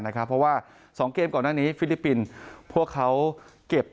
เพราะว่า๒เกมก่อนหน้านี้ฟิลิปปินส์พวกเขาเก็บ